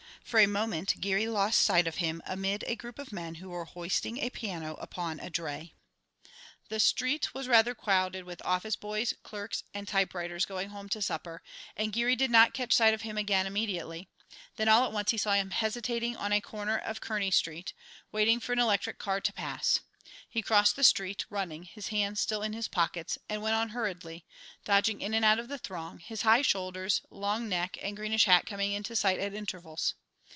For a moment Geary lost sight of him amid a group of men who were hoisting a piano upon a dray. The street was rather crowded with office boys, clerks, and typewriters going home to supper, and Geary did not catch sight of him again immediately; then all at once he saw him hesitating on a corner of Kearney Street, waiting for an electric car to pass; he crossed the street, running, his hands still in his pockets, and went on hurriedly, dodging in and out of the throng, his high shoulders, long neck, and greenish hat coming into sight at intervals.